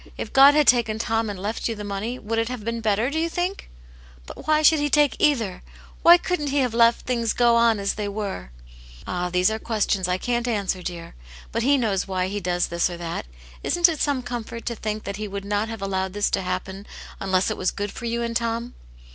If God had taken Tom and left you the money, would it have been better, do you think ?"" But why should He take either > Why couldn't He have let things go on as they were ?" "Ah, these are questions I can't answer, dear. But He knows why He does this or that. Isn't it some comfort to think that He would not have allowed this to happen unless it was good for you and Tom